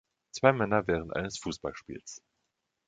Zwei Männer während eines Fußballspiels